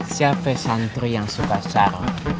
siapa santri yang suka sar